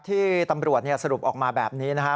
ที่ตำรวจสรุปออกมาแบบนี้นะฮะ